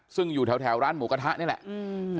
ซึ่งอยู่แถวร้านหมูกระทะนี่แหละ